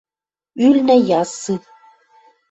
Ӱлнӹ Яссы.